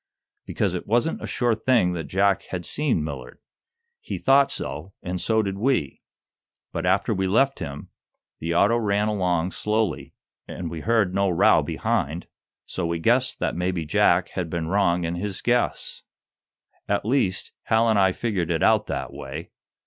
"Because it wasn't a sure thing that Jack had seen Millard. He thought so, and so did we. But, after we left him, the auto ran along slowly, and we heard no row behind, so we guessed that maybe Jack had been wrong in his guess. At least, Hal and I figured it out that way.